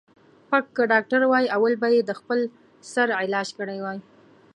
ـ پک که ډاکتر وای اول به یې د خپل سر علاج کړی وای.